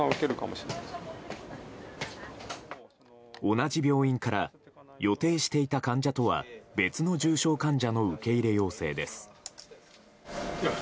同じ病院から予定していた患者とは別の重症患者の受け入れ要請です。